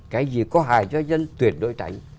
cái gì có hài cho dân tuyệt đối trảnh